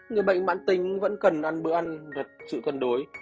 các chất dinh dưỡng vẫn cần ăn bữa ăn đặt sự cân đối